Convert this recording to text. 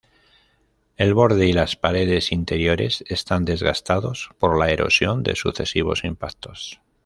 El borde y las paredes interiores están desgastados por la erosión de sucesivos impactos.